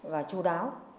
và chú đáng